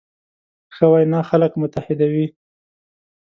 ښه وینا خلک متحدوي.